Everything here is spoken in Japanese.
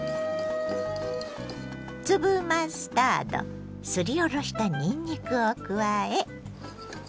粒マスタードすりおろしたにんにくを加え。